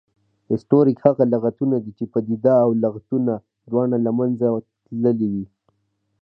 هسټوریک هغه لغتونه دي، چې پدیده او لغتونه دواړه له منځه تللې وي